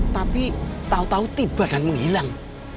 tapi tau tau tiba dan menghilang